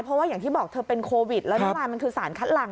เพราะว่าอย่างที่บอกเธอเป็นโควิดแล้วน้ำลายมันคือสารคัดหลัง